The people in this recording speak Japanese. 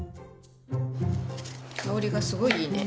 香りがすごいいいね。